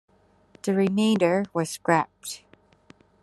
The remainder were scrapped.